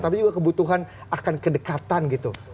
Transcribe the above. tapi juga kebutuhan akan kedekatan gitu